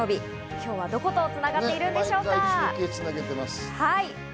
今日はどことつながっているんでしょうか？